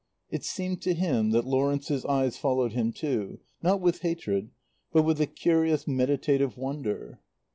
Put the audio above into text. It seemed to him that Lawrence's eyes followed him too; not with hatred, but with a curious meditative wonder.